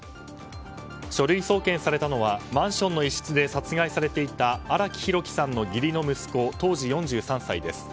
書類送検されたのはマンションの一室で殺害されていた荒木博樹さんの義理の息子当時４３歳です。